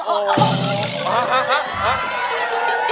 โอ้โอ๊ย